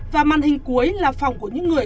và màn hình cuối là phòng của những người